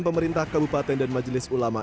pemerintah kabupaten dan majelis ulama